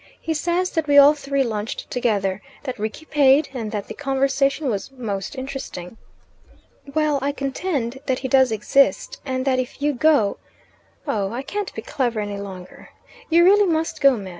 He says that we all three lunched together, that Rickie paid, and that the conversation was most interesting." "Well, I contend that he does exist, and that if you go oh, I can't be clever any longer. You really must go, man.